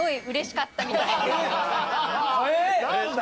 何だ。